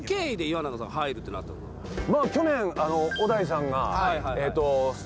去年小田井さんが。